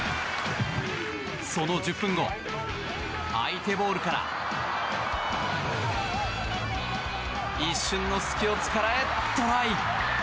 その１０分後、相手ボールから一瞬の隙を突かれ、トライ。